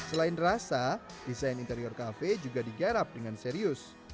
selain rasa desain interior kafe juga digarap dengan serius